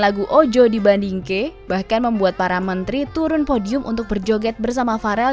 lagu ojo di bandingke bahkan membuat para menteri turun podium untuk berjoget bersama farel